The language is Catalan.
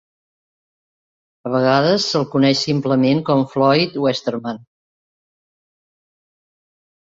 A vegades se'l coneix simplement com Floyd Westerman.